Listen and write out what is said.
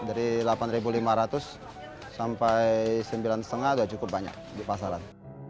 dari rp delapan lima ratus sampai rp sembilan lima ratus udah cukup banyak di pasaran